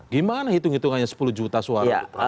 gimana hitung hitungannya sepuluh juta suara